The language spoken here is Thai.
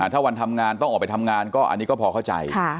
ถ้าวันทำงานต้องออกไปทำงานก็อันนี้ก็พอเข้าใจ